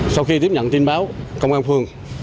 sau khi tiếp nhận tin báo công an phường